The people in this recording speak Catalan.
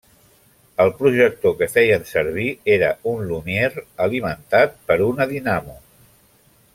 El projector que feien servir era un Lumière, alimentat per una dinamo.